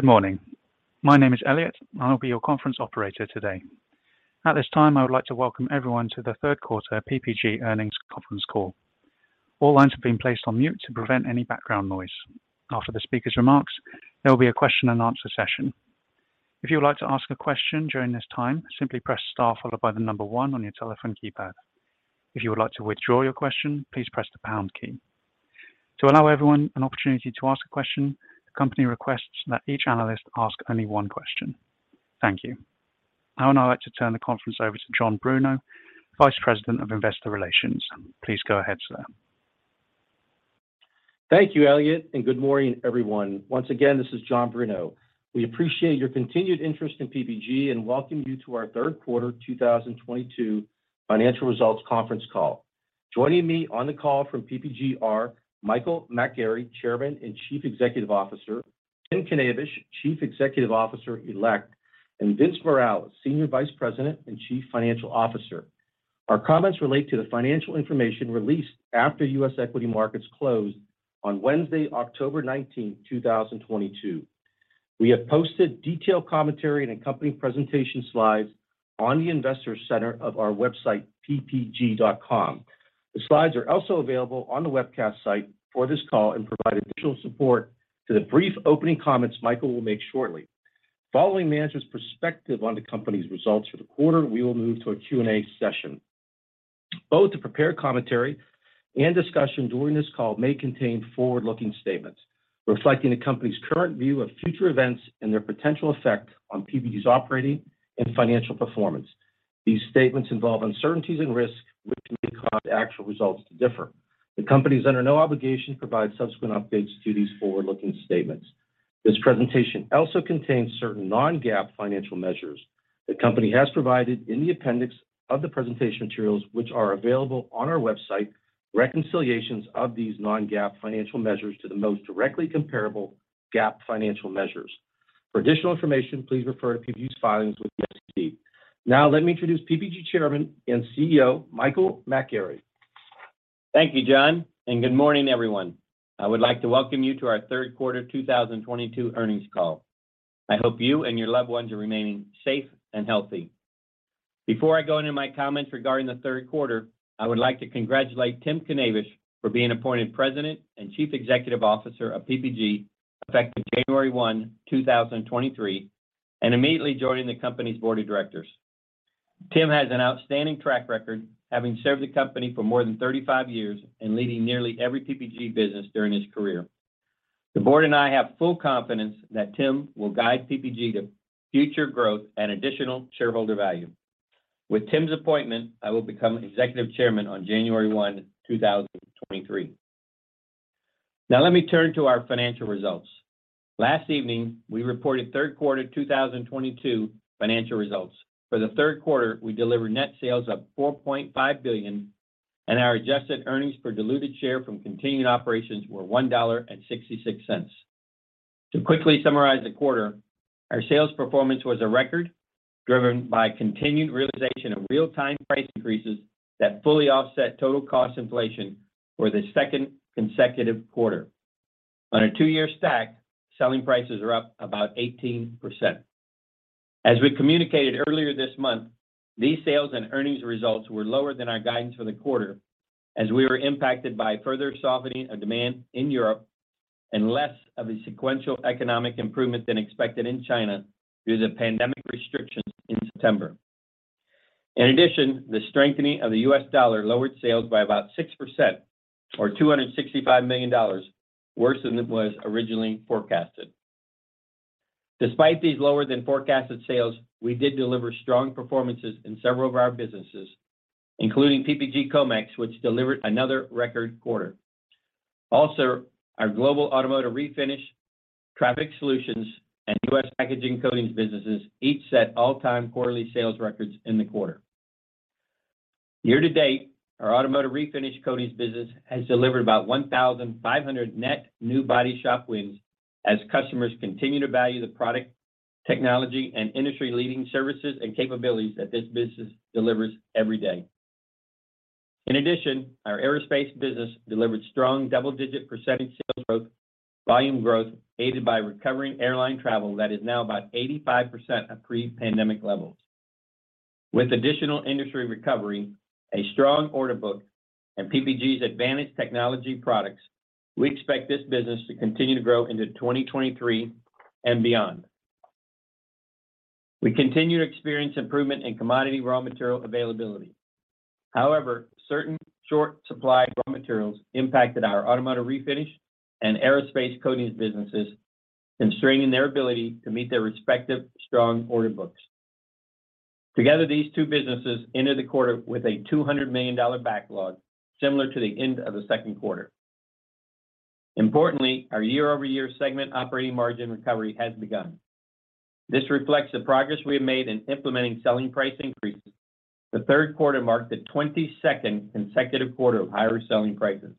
Good morning. My name is Elliot, and I'll be your conference operator today. At this time, I would like to welcome everyone to the Third Quarter PPG Earnings Conference Call. All lines have been placed on mute to prevent any background noise. After the speaker's remarks, there will be a question-and-answer session. If you would like to ask a question during this time, simply press Star followed by the number one on your telephone keypad. If you would like to withdraw your question, please press the pound key. To allow everyone an opportunity to ask a question, the company requests that each analyst ask only one question. Thank you. I would now like to turn the conference over to John Bruno, Vice President of Investor Relations. Please go ahead, sir. Thank you, Elliot, and good morning, everyone. Once again, this is John Bruno. We appreciate your continued interest in PPG and welcome you to our third quarter 2022 financial results conference call. Joining me on the call from PPG are Michael McGarry, Chairman and Chief Executive Officer, Tim Knavish, Chief Executive Officer-Elect, and Vince Morales, Senior Vice President and Chief Financial Officer. Our comments relate to the financial information released after U.S. equity markets closed on Wednesday, October 19, 2022. We have posted detailed commentary and accompanying presentation slides on the Investor Center of our website, ppg.com. The slides are also available on the webcast site for this call and provide additional support to the brief opening comments Michael will make shortly. Following management's perspective on the company's results for the quarter, we will move to a Q&A session. Both the prepared commentary and discussion during this call may contain forward-looking statements reflecting the company's current view of future events and their potential effect on PPG's operating and financial performance. These statements involve uncertainties and risks which may cause actual results to differ. The company is under no obligation to provide subsequent updates to these forward-looking statements. This presentation also contains certain non-GAAP financial measures. The company has provided in the appendix of the presentation materials which are available on our website, reconciliations of these non-GAAP financial measures to the most directly comparable GAAP financial measures. For additional information, please refer to PPG's filings with the SEC. Now let me introduce PPG Chairman and CEO, Michael McGarry. Thank you, John, and good morning, everyone. I would like to welcome you to our third quarter 2022 earnings call. I hope you and your loved ones are remaining safe and healthy. Before I go into my comments regarding the third quarter, I would like to congratulate Tim Knavish for being appointed President and Chief Executive Officer of PPG, effective January 1, 2023, and immediately joining the company's board of directors. Tim has an outstanding track record having served the company for more than 35 years and leading nearly every PPG business during his career. The board and I have full confidence that Tim will guide PPG to future growth and additional shareholder value. With Tim's appointment, I will become Executive Chairman on January 1, 2023. Now let me turn to our financial results. Last evening, we reported third quarter 2022 financial results. For the third quarter, we delivered net sales up $4.5 billion, and our adjusted earnings per diluted share from continuing operations were $1.66. To quickly summarize the quarter, our sales performance was a record driven by continued realization of real-time price increases that fully offset total cost inflation for the second consecutive quarter. On a two year stack, selling prices are up about 18%. As we communicated earlier this month, these sales and earnings results were lower than our guidance for the quarter as we were impacted by further softening of demand in Europe and less of a sequential economic improvement than expected in China due to pandemic restrictions in September. In addition, the strengthening of the U.S. dollar lowered sales by about 6% or $265 million worse than it was originally forecasted. Despite these lower than forecasted sales, we did deliver strong performances in several of our businesses, including PPG Comex, which delivered another record quarter. Also, our global Automotive Refinish, Traffic Solutions, and U.S. Packaging Coatings businesses each set all-time quarterly sales records in the quarter. Year to date, our Automotive Refinish coatings business has delivered about 1,500 net new body shop wins as customers continue to value the product technology and industry-leading services and capabilities that this business delivers every day. In addition, our Aerospace business delivered strong double-digit percentage sales growth, volume growth aided by recovering airline travel that is now about 85% of pre-pandemic levels. With additional industry recovery, a strong order book, and PPG's advanced technology products, we expect this business to continue to grow into 2023 and beyond. We continue to experience improvement in commodity raw material availability. However, certain short supply of raw materials impacted our automotive refinish and aerospace coatings businesses, constraining their ability to meet their respective strong order books. Together, these two businesses entered the quarter with a $200 million backlog, similar to the end of the second quarter. Importantly, our year-over-year segment operating margin recovery has begun. This reflects the progress we have made in implementing selling price increases. The third quarter marked the 22nd consecutive quarter of higher selling prices.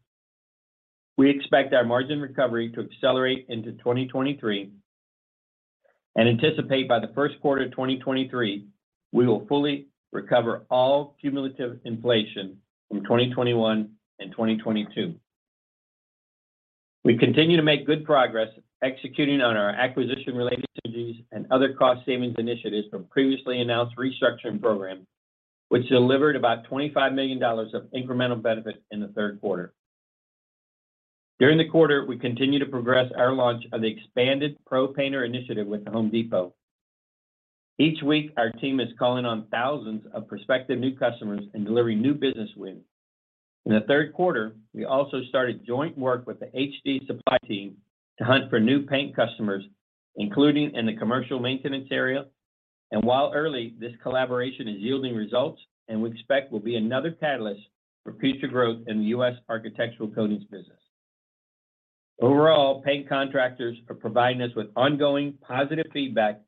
We expect our margin recovery to accelerate into 2023 and anticipate by the first quarter of 2023, we will fully recover all cumulative inflation from 2021 and 2022. We continue to make good progress executing on our acquisition-related strategies and other cost-savings initiatives from previously announced restructuring programs, which delivered about $25 million of incremental benefit in the third quarter. During the quarter, we continued to progress our launch of the expanded Pro Painter initiative with The Home Depot. Each week, our team is calling on thousands of prospective new customers and delivering new business wins. In the third quarter, we also started joint work with the HD Supply team to hunt for new paint customers, including in the commercial maintenance area. While early, this collaboration is yielding results, and we expect will be another catalyst for future growth in the US architectural coatings business. Overall, paint contractors are providing us with ongoing positive feedback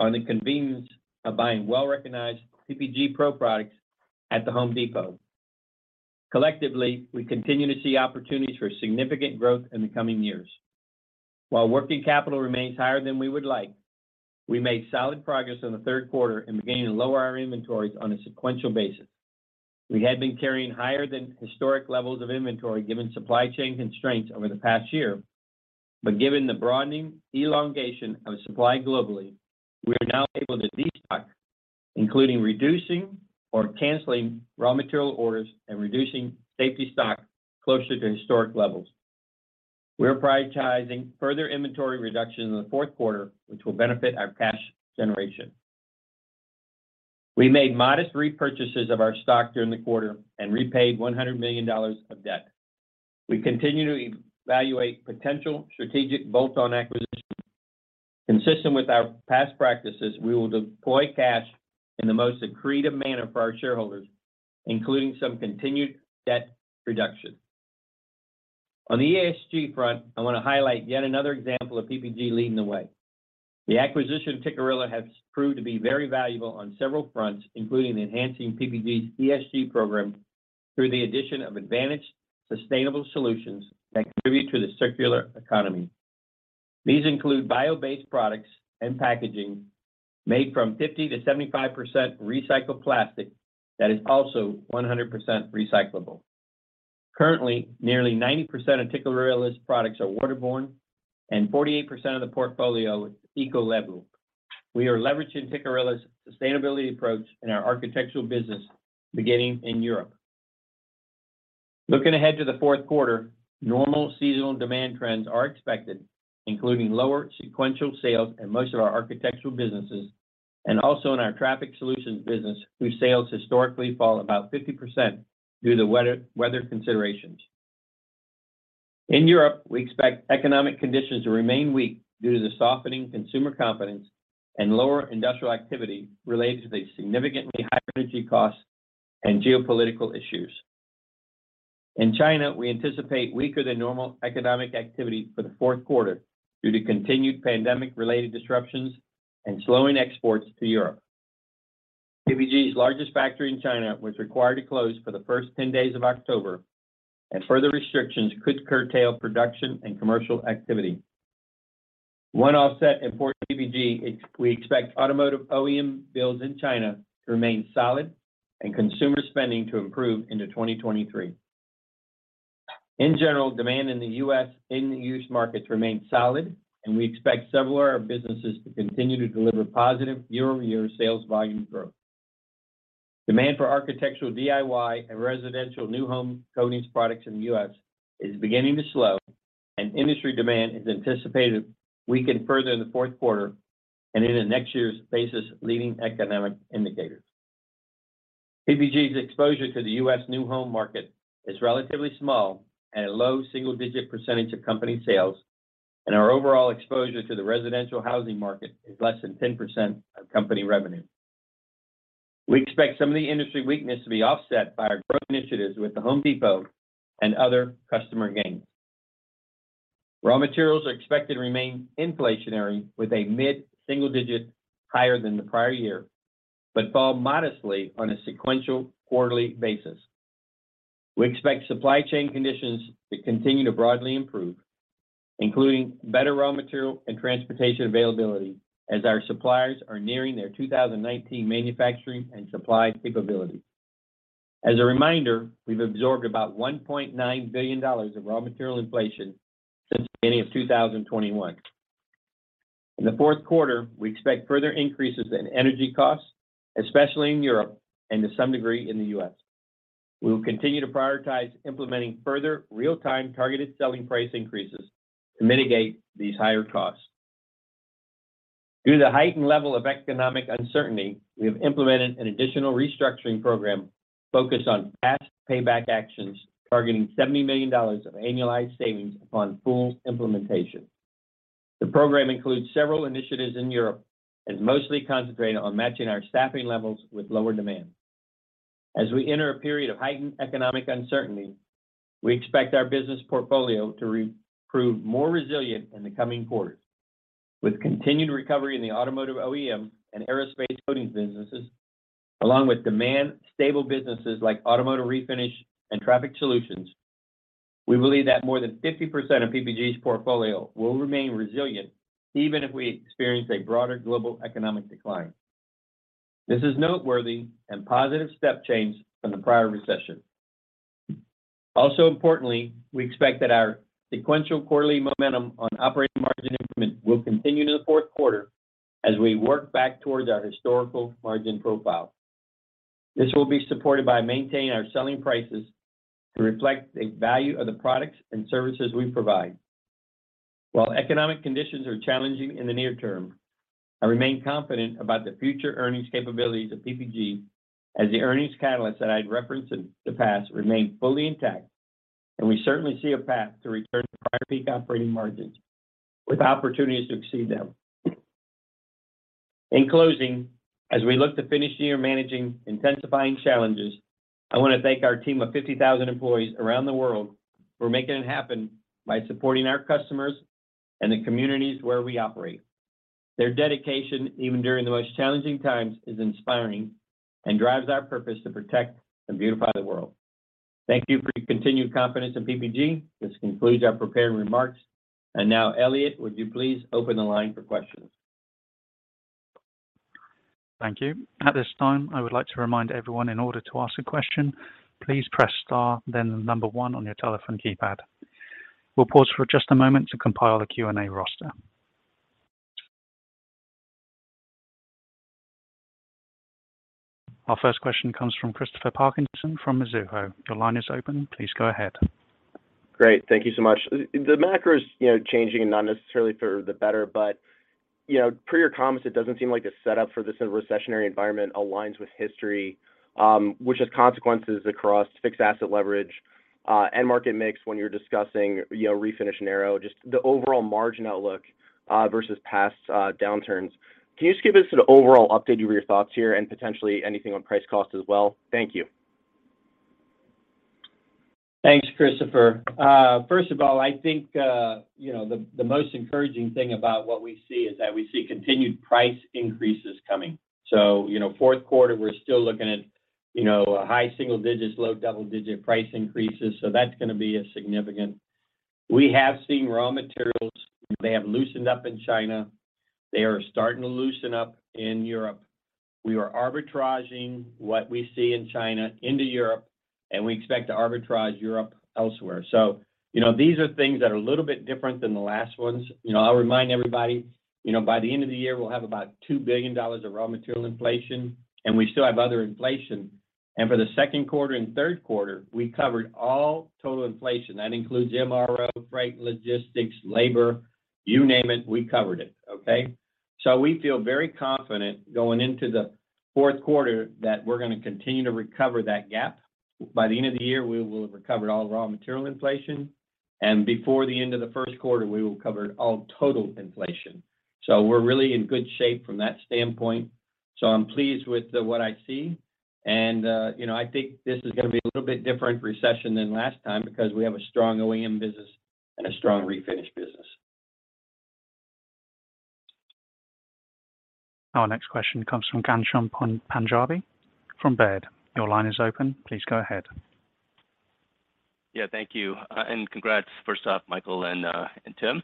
on the convenience of buying well-recognized PPG Pro products at the Home Depot. Collectively, we continue to see opportunities for significant growth in the coming years. While working capital remains higher than we would like, we made solid progress in the third quarter in beginning to lower our inventories on a sequential basis. We had been carrying higher than historic levels of inventory given supply chain constraints over the past year. Given the broadening elongation of supply globally, we are now able to destock, including reducing or canceling raw material orders and reducing safety stock closer to historic levels. We are prioritizing further inventory reduction in the fourth quarter, which will benefit our cash generation. We made modest repurchases of our stock during the quarter and repaid $100 million of debt. We continue to evaluate potential strategic bolt-on acquisitions. Consistent with our past practices, we will deploy cash in the most accretive manner for our shareholders, including some continued debt reduction. On the ESG front, I want to highlight yet another example of PPG leading the way. The acquisition of Tikkurila has proved to be very valuable on several fronts, including enhancing PPG's ESG program through the addition of advanced sustainable solutions that contribute to the circular economy. These include bio-based products and packaging made from 50%-75% recycled plastic that is also 100% recyclable. Currently, nearly 90% of Tikkurila's products are waterborne and 48% of the portfolio is eco-label. We are leveraging Tikkurila's sustainability approach in our architectural business beginning in Europe. Looking ahead to the fourth quarter, normal seasonal demand trends are expected, including lower sequential sales in most of our architectural businesses and also in our Traffic Solutions business, whose sales historically fall about 50% due to weather considerations. In Europe, we expect economic conditions to remain weak due to the softening consumer confidence and lower industrial activity related to the significantly higher energy costs and geopolitical issues. In China, we anticipate weaker than normal economic activity for the fourth quarter due to continued pandemic-related disruptions and slowing exports to Europe. PPG's largest factory in China was required to close for the first 10 days of October, and further restrictions could curtail production and commercial activity. One offset in store for PPG, we expect Automotive OEM builds in China to remain solid and consumer spending to improve into 2023. In general, demand in the US end-use markets remains solid, and we expect several of our businesses to continue to deliver positive year-over-year sales volume growth. Demand for architectural DIY and residential new home coatings products in the U.S. is beginning to slow, and industry demand is anticipated to weaken further in the fourth quarter and into next year based on leading economic indicators. PPG's exposure to the US new home market is relatively small and a low single-digit percentage of company sales, and our overall exposure to the residential housing market is less than 10% of company revenue. We expect some of the industry weakness to be offset by our growth initiatives with The Home Depot and other customer gains. Raw materials are expected to remain inflationary with a mid-single-digit higher than the prior year, but fall modestly on a sequential quarterly basis. We expect supply chain conditions to continue to broadly improve, including better raw material and transportation availability as our suppliers are nearing their 2019 manufacturing and supply capabilities. As a reminder, we've absorbed about $1.9 billion of raw material inflation since the beginning of 2021. In the fourth quarter, we expect further increases in energy costs, especially in Europe and to some degree in the U.S. We will continue to prioritize implementing further real-time targeted selling price increases to mitigate these higher costs. Due to the heightened level of economic uncertainty, we have implemented an additional restructuring program focused on fast payback actions, targeting $70 million of annualized savings upon full implementation. The program includes several initiatives in Europe and mostly concentrated on matching our staffing levels with lower demand. As we enter a period of heightened economic uncertainty, we expect our business portfolio to prove more resilient in the coming quarters. With continued recovery in the Automotive OEM and Aerospace coatings businesses, along with demand stable businesses like Automotive Refinish and Traffic Solutions, we believe that more than 50% of PPG's portfolio will remain resilient even if we experience a broader global economic decline. This is noteworthy and positive step change from the prior recession. Also importantly, we expect that our sequential quarterly momentum on operating margin increment will continue into the fourth quarter as we work back towards our historical margin profile. This will be supported by maintaining our selling prices to reflect the value of the products and services we provide. While economic conditions are challenging in the near term, I remain confident about the future earnings capabilities of PPG as the earnings catalysts that I'd referenced in the past remain fully intact, and we certainly see a path to return to prior peak operating margins with opportunities to exceed them. In closing, as we look to finish the year managing intensifying challenges, I wanna thank our team of 50,000 employees around the world for making it happen by supporting our customers and the communities where we operate. Their dedication, even during the most challenging times, is inspiring and drives our purpose to protect and beautify the world. Thank you for your continued confidence in PPG. This concludes our prepared remarks. Now, Elliot, would you please open the line for questions? Thank you. At this time, I would like to remind everyone in order to ask a question, please press star then the number one on your telephone keypad. We'll pause for just a moment to compile a Q&A roster. Our first question comes from Christopher Parkinson from Mizuho. Your line is open. Please go ahead. Great. Thank you so much. The macro is, you know, changing and not necessarily for the better, but, you know, per your comments, it doesn't seem like the setup for this in a recessionary environment aligns with history, which has consequences across fixed asset leverage, and market mix when you're discussing, you know, Refinish narrow, just the overall margin outlook, versus past downturns. Can you just give us an overall update of your thoughts here and potentially anything on price cost as well? Thank you. Thanks, Christopher. First of all, I think you know the most encouraging thing about what we see is that we see continued price increases coming. Fourth quarter, we're still looking at you know a high single digits, low double-digit price increases. That's gonna be a significant. We have seen raw materials. They have loosened up in China. They are starting to loosen up in Europe. We are arbitraging what we see in China into Europe, and we expect to arbitrage Europe elsewhere. You know these are things that are a little bit different than the last ones. I'll remind everybody you know by the end of the year, we'll have about $2 billion of raw material inflation, and we still have other inflation. For the second quarter and third quarter, we covered all total inflation. That includes MRO, freight, logistics, labor. You name it, we covered it, okay? We feel very confident going into the fourth quarter that we're gonna continue to recover that gap. By the end of the year, we will have recovered all raw material inflation, and before the end of the first quarter, we will cover all total inflation. We're really in good shape from that standpoint. I'm pleased with what I see. You know, I think this is gonna be a little bit different recession than last time because we have a strong OEM business and a strong Refinish business. Our next question comes from Ghansham Panjabi from Baird. Your line is open. Please go ahead. Yeah, thank you, and congrats first off, Michael and Tim.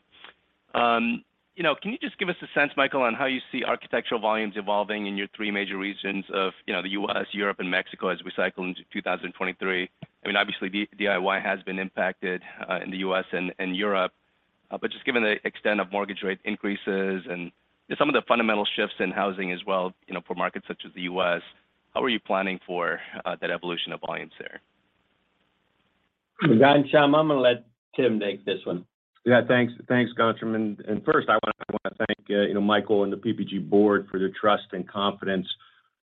You know, can you just give us a sense, Michael, on how you see architectural volumes evolving in your three major regions of, you know, the U.S., Europe, and Mexico as we cycle into 2023? I mean, obviously, DIY has been impacted in the U.S. and Europe. Just given the extent of mortgage rate increases and some of the fundamental shifts in housing as well, you know, for markets such as the U.S., how are you planning for that evolution of volumes there? Ghansham, I'm gonna let Tim take this one. Yeah, thanks. Thanks, Ghansham. First I wanna thank Michael and the PPG board for their trust and confidence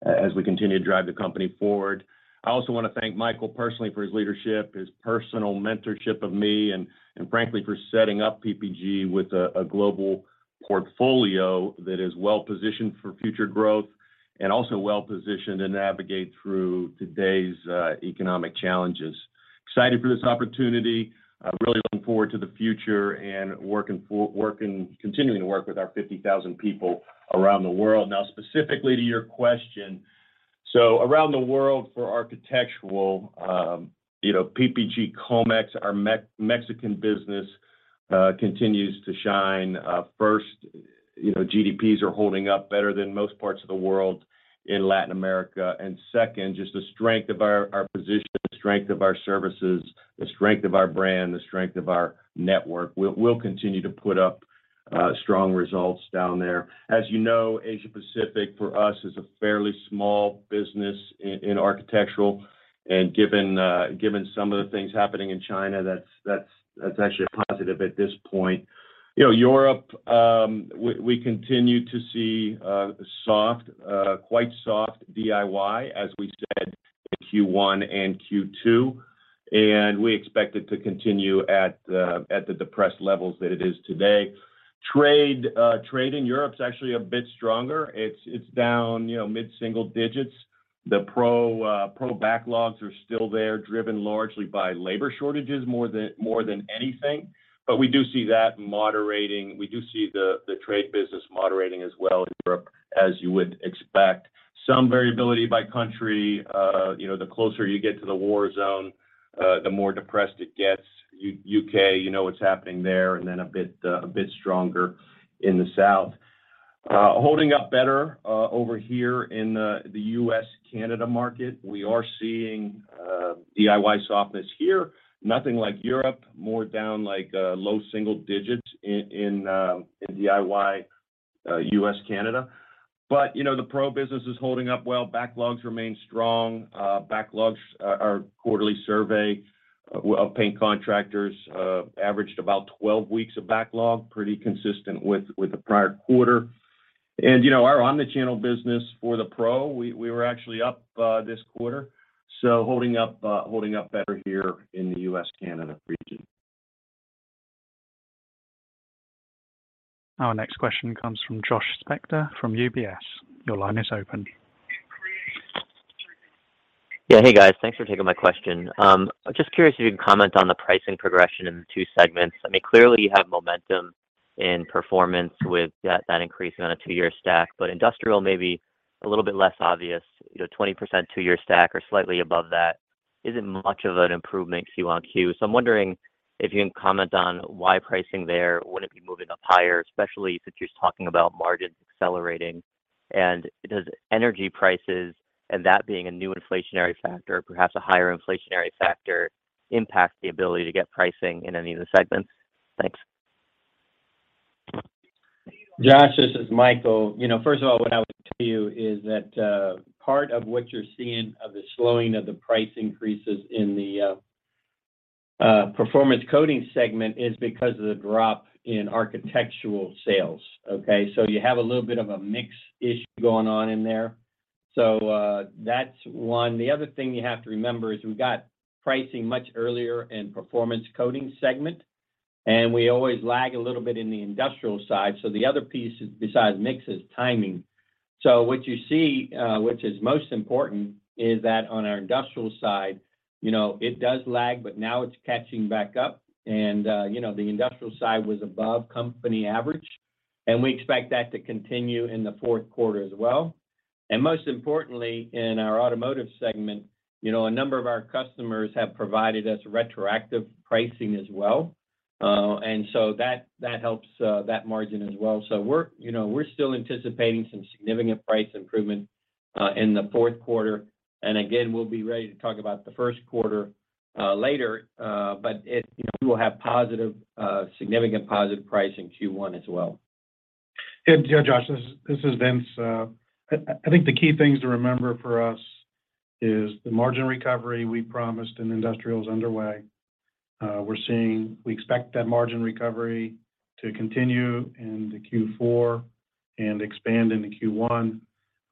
as we continue to drive the company forward. I also wanna thank Michael personally for his leadership, his personal mentorship of me and frankly for setting up PPG with a global portfolio that is well positioned for future growth and also well positioned to navigate through today's economic challenges. Excited for this opportunity. Really looking forward to the future and continuing to work with our 50,000 people around the world. Now, specifically to your question. Around the world for architectural, PPG Comex, our Mexican business, continues to shine. First, GDPs are holding up better than most parts of the world in Latin America. Second, just the strength of our position, the strength of our services, the strength of our brand, the strength of our network, we'll continue to put up strong results down there. As you know, Asia Pacific for us is a fairly small business in architectural. Given some of the things happening in China, that's actually a positive at this point. You know, Europe, we continue to see quite soft DIY, as we said in Q1 and Q2, and we expect it to continue at the depressed levels that it is today. Trade in Europe is actually a bit stronger. It's down, you know, mid-single digits. The pro backlogs are still there, driven largely by labor shortages more than anything. But we do see that moderating. We do see the trade business moderating as well in Europe, as you would expect. Some variability by country. You know, the closer you get to the war zone, the more depressed it gets. U.K., you know what's happening there, and then a bit stronger in the South. Holding up better over here in the US-Canada market. We are seeing DIY softness here. Nothing like Europe. More down like low single digits in DIY, U.S., Canada. You know, the pro business is holding up well, backlogs remain strong. Backlogs, our quarterly survey of paint contractors averaged about 12 weeks of backlog, pretty consistent with the prior quarter. You know, our omnichannel business for the pro, we were actually up this quarter, so holding up better here in the US-Canada region. Our next question comes from Josh Spector from UBS. Your line is open. Yeah. Hey, guys. Thanks for taking my question. I'm just curious if you can comment on the pricing progression in the two segments. I mean, clearly you have momentum in performance with that increasing on a two-year stack, but industrial may be a little bit less obvious. You know, 20% two-year stack or slightly above that isn't much of an improvement quarter-over-quarter. I'm wondering if you can comment on why pricing there wouldn't be moving up higher, especially since you're talking about margins accelerating. Does energy prices, and that being a new inflationary factor, perhaps a higher inflationary factor, impact the ability to get pricing in any of the segments? Thanks. Josh, this is Michael. You know, first of all, what I would tell you is that, part of what you're seeing of the slowing of the price increases in the performance coatings segment is because of the drop in architectural sales, okay? You have a little bit of a mix issue going on in there. That's one. The other thing you have to remember is we got pricing much earlier in performance coatings segment, and we always lag a little bit in the industrial side. The other piece besides mix is timing. What you see, which is most important, is that on our industrial side, you know, it does lag, but now it's catching back up. You know, the industrial side was above company average, and we expect that to continue in the fourth quarter as well. Most importantly, in our automotive segment, you know, a number of our customers have provided us retroactive pricing as well. That helps that margin as well. We're, you know, still anticipating some significant price improvement in the fourth quarter. Again, we'll be ready to talk about the first quarter later. It, you know, we will have significant positive price in Q1 as well. Yeah, Josh, this is Vince. I think the key things to remember for us is the margin recovery we promised in industrial is underway. We expect that margin recovery to continue into Q4 and expand into Q1.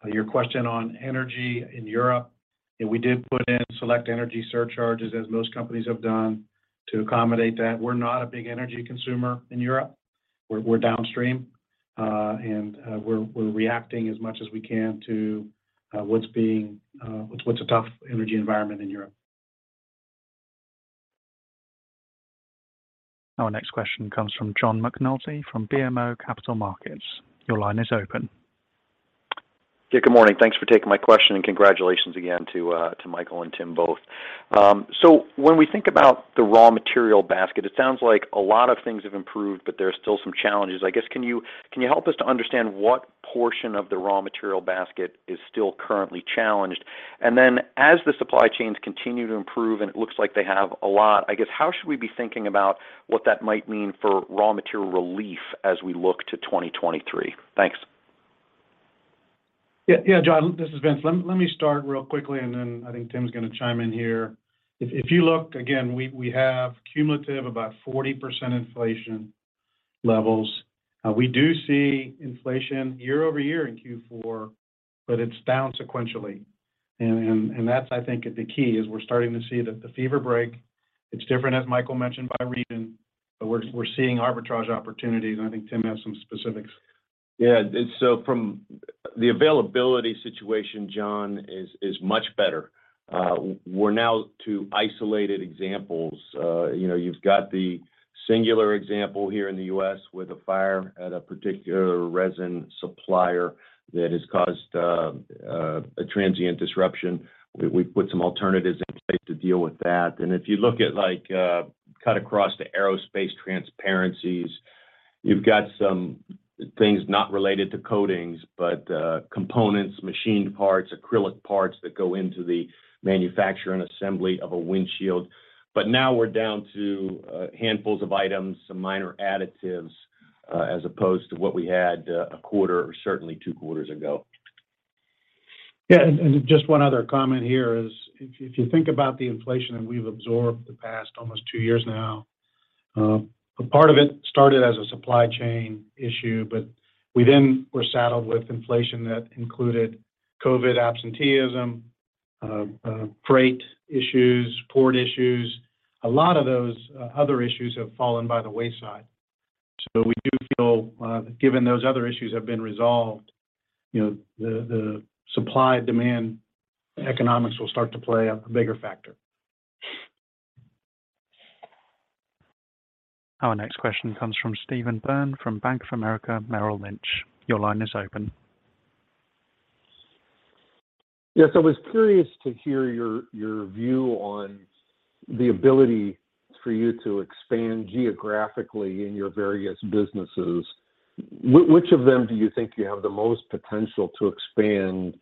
Your question on energy in Europe, yeah, we did put in select energy surcharges, as most companies have done, to accommodate that. We're not a big energy consumer in Europe. We're downstream, and we're reacting as much as we can to what's a tough energy environment in Europe. Our next question comes from John McNulty from BMO Capital Markets. Your line is open. Yeah. Good morning. Thanks for taking my question, and congratulations again to Michael and Tim both. So when we think about the raw material basket, it sounds like a lot of things have improved, but there's still some challenges. I guess, can you help us to understand what portion of the raw material basket is still currently challenged? Then as the supply chains continue to improve, and it looks like they have a lot, I guess, how should we be thinking about what that might mean for raw material relief as we look to 2023? Thanks. Yeah. Yeah, John, this is Vince. Let me start real quickly, and then I think Tim's gonna chime in here. If you look again, we have cumulative about 40% inflation levels. We do see inflation year over year in Q4, but it's down sequentially. That's, I think, the key is we're starting to see the fever break. It's different, as Michael mentioned, by region, but we're seeing arbitrage opportunities, and I think Tim has some specifics. Yeah. From the availability situation, John, is much better. We're down to isolated examples. You know, you've got the singular example here in the U.S. with a fire at a particular resin supplier that has caused a transient disruption. We put some alternatives in place to deal with that. If you look at, like, across to Aerospace Transparencies, you've got some things not related to coatings, but components, machined parts, acrylic parts that go into the manufacture and assembly of a windshield. Now we're down to handfuls of items, some minor additives, as opposed to what we had a quarter or certainly two quarters ago. Just one other comment here is if you think about the inflation that we've absorbed the past almost two years now, a part of it started as a supply chain issue, but we then were saddled with inflation that included COVID absenteeism, freight issues, port issues. A lot of those other issues have fallen by the wayside. We do feel, given those other issues have been resolved, you know, the supply/demand economics will start to play a bigger factor. Our next question comes from Steven Byrne from Bank of America Merrill Lynch. Your line is open. Yes. I was curious to hear your view on the ability for you to expand geographically in your various businesses. Which of them do you think you have the most potential to expand?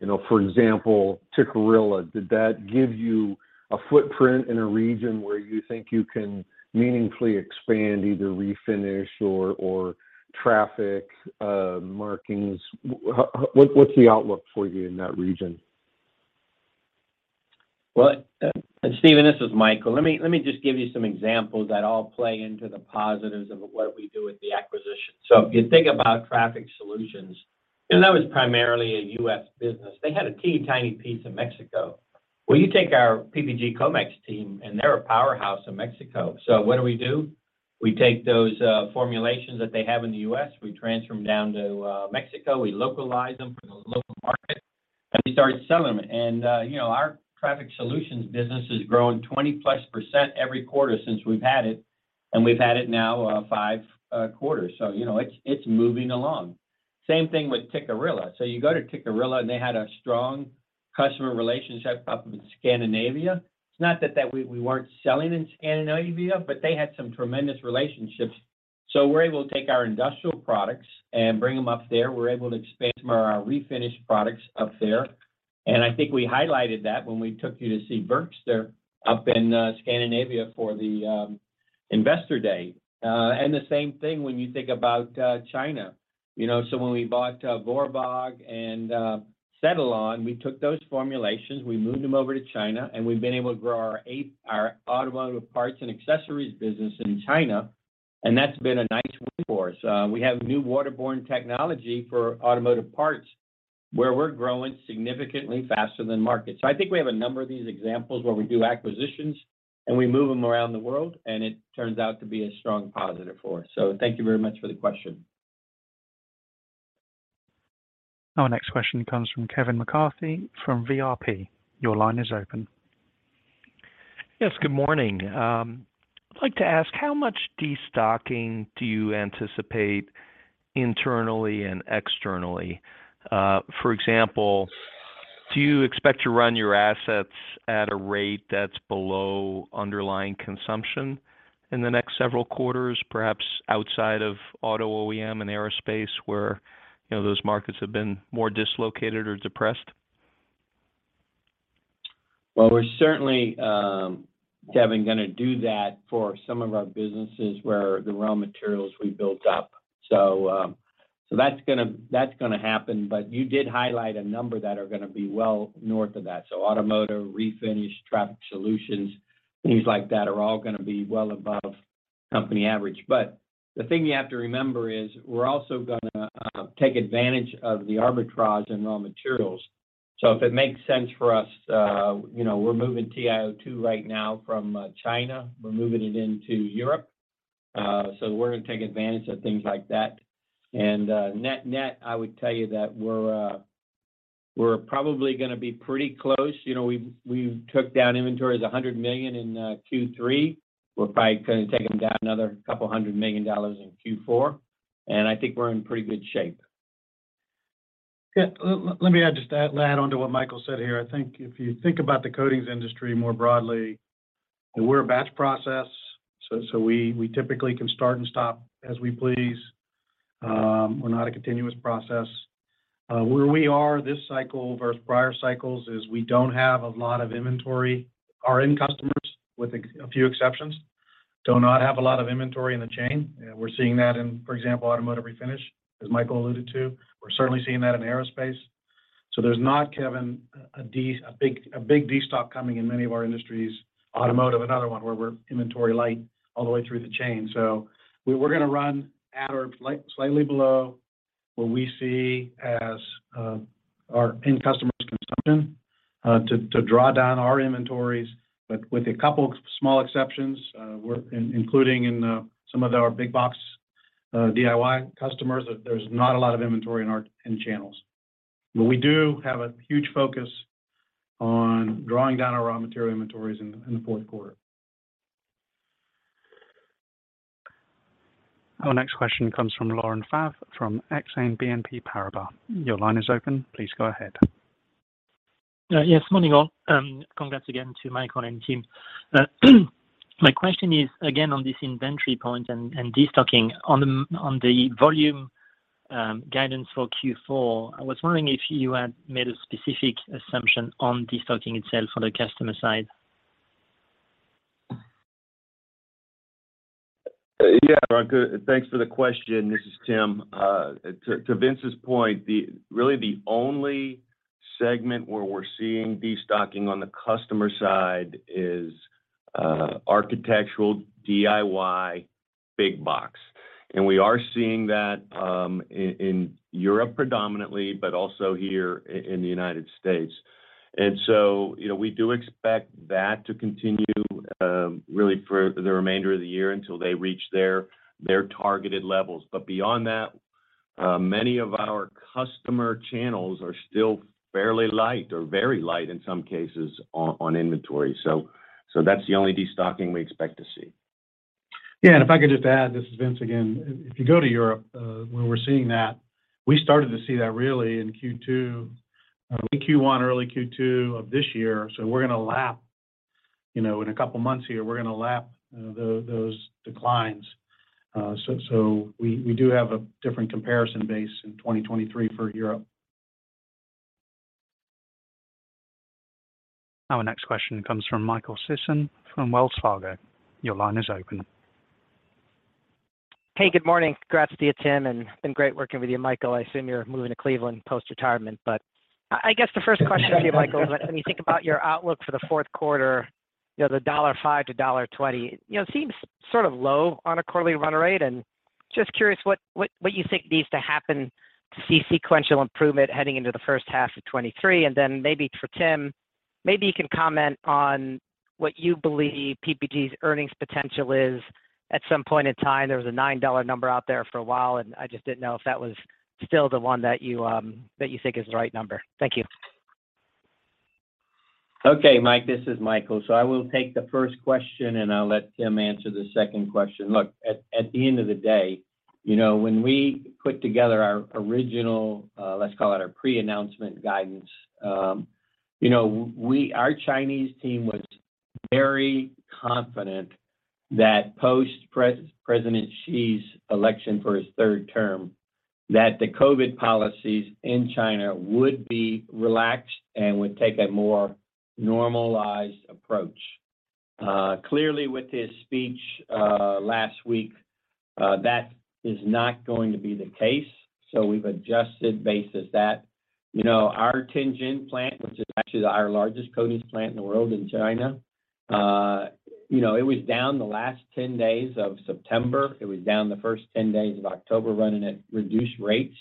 You know, for example, Tikkurila, did that give you a footprint in a region where you think you can meaningfully expand either refinish or traffic markings? What's the outlook for you in that region? Well, Steven, this is Michael. Let me just give you some examples that all play into the positives of what we do with the acquisition. If you think about Traffic Solutions, you know, that was primarily a US business. They had a teeny tiny piece in Mexico. You take our PPG Comex team, and they're a powerhouse in Mexico. What do we do? We take those formulations that they have in the U.S., we transfer them down to Mexico, we localize them for the local market, and we start selling them. You know, our Traffic Solutions business is growing 20%+ every quarter since we've had it, and we've had it now five quarters. You know, it's moving along. Same thing with Tikkurila. You go to Tikkurila, and they had a strong customer relationship up in Scandinavia. It's not that we weren't selling in Scandinavia, but they had some tremendous relationships. We're able to take our industrial products and bring them up there. We're able to expand some of our refinish products up there. I think we highlighted that when we took you to see Bergström up in Scandinavia for the Investor Day. The same thing when you think about China. When we bought Wörwag and Cetelon, we took those formulations, we moved them over to China, and we've been able to grow our automotive parts and accessories business in China, and that's been a nice win for us. We have new waterborne technology for automotive parts where we're growing significantly faster than market. I think we have a number of these examples where we do acquisitions, and we move them around the world, and it turns out to be a strong positive for us. Thank you very much for the question. Our next question comes from Kevin McCarthy from VRP. Your line is open. Yes, good morning. I'd like to ask, how much destocking do you anticipate internally and externally? For example, do you expect to run your assets at a rate that's below underlying consumption in the next several quarters, perhaps outside of auto OEM and aerospace, where, you know, those markets have been more dislocated or depressed? Well, we're certainly, Kevin, gonna do that for some of our businesses where the raw materials we built up. That's gonna happen. You did highlight a number that are gonna be well north of that. Automotive Refinish, Traffic Solutions, things like that are all gonna be well above company average. The thing you have to remember is we're also gonna take advantage of the arbitrage in raw materials. If it makes sense for us, you know, we're moving TiO2 right now from China. We're moving it into Europe. We're gonna take advantage of things like that. Net, I would tell you that we're probably gonna be pretty close. You know, we've took down inventories $100 million in Q3. We're probably gonna take them down another $200 million in Q4, and I think we're in pretty good shape. Yeah. Let me add on to what Michael said here. I think if you think about the coatings industry more broadly, we're a batch process, we typically can start and stop as we please. We're not a continuous process. Where we are this cycle versus prior cycles is we don't have a lot of inventory. Our end customers, with a few exceptions, do not have a lot of inventory in the chain. We're seeing that in, for example, Automotive Refinish, as Michael alluded to. We're certainly seeing that in Aerospace. There's not, Kevin, a big destock coming in many of our industries. Automotive, another one where we're inventory light all the way through the chain. We're gonna run at or slightly below what we see as our end customers' consumption to draw down our inventories. With a couple of small exceptions, including in some of our big box DIY customers, there's not a lot of inventory in our end channels. We do have a huge focus on drawing down our raw material inventories in the fourth quarter. Our next question comes from Laurent Favre from Exane BNP Paribas. Your line is open. Please go ahead. Morning all. Congrats again to Michael and team. My question is, again, on this inventory point and destocking on the volume guidance for Q4. I was wondering if you had made a specific assumption on destocking itself on the customer side. Yeah, Laurent. Good. Thanks for the question. This is Tim. To Vince's point, really the only segment where we're seeing destocking on the customer side is architectural DIY big box. We are seeing that in Europe predominantly, but also here in the United States. You know, we do expect that to continue really for the remainder of the year until they reach their targeted levels. But beyond that. Many of our customer channels are still fairly light or very light in some cases on inventory. That's the only destocking we expect to see. Yeah. If I could just add, this is Vince again. If you go to Europe, where we're seeing that, we started to see that really in Q2, late Q1, early Q2 of this year. So we're gonna lap. You know, in a couple of months here, we're gonna lap those declines. So we do have a different comparison base in 2023 for Europe. Our next question comes from Michael Sisson from Wells Fargo. Your line is open. Hey, good morning. Congrats to you, Tim, and it's been great working with you, Michael. I assume you're moving to Cleveland post-retirement. I guess the first question for you, Michael, when you think about your outlook for the fourth quarter, you know, the $5-$20, you know, seems sort of low on a quarterly run rate. Just curious what you think needs to happen to see sequential improvement heading into the first half of 2023. Then maybe for Tim, maybe you can comment on what you believe PPG's earnings potential is. At some point in time, there was a $9 number out there for a while, and I just didn't know if that was still the one that you, that you think is the right number. Thank you. Okay, Mike, this is Michael. I will take the first question, and I'll let Tim answer the second question. Look, at the end of the day, you know, when we put together our original, let's call it our pre-announcement guidance, you know, our Chinese team was very confident that post President Xi's election for his third term, that the COVID policies in China would be relaxed and would take a more normalized approach. Clearly, with his speech last week, that is not going to be the case, so we've adjusted based on that. You know, our Tianjin plant, which is actually our largest coatings plant in the world in China, you know, it was down the last 10 days of September. It was down the first 10 days of October, running at reduced rates.